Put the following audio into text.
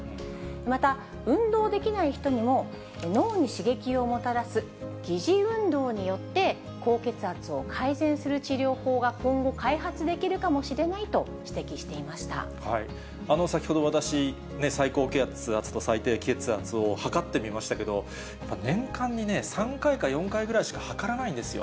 また、運動できない人にも、脳に刺激をもたらす疑似運動によって、高血圧を改善する治療法が今後、開発できるかもしれないと指摘し先ほど、私、最高血圧と最低血圧を測ってみましたけど、年間にね、３回か４回ぐらいしか測らないんですよ。